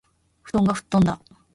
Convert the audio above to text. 布団がふっとんだ